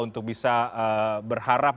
untuk bisa berharap